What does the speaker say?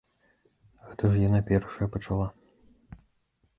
Гэта ж яна першая пачала.